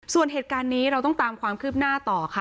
ส่วนเหตุการณ์นี้เราต้องตามความคืบหน้าต่อค่ะ